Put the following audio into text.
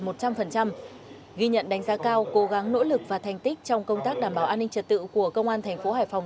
ghi nhận đánh giá cao cố gắng nỗ lực và thành tích trong công tác đảm bảo an ninh trật tự của công an thành phố hải phòng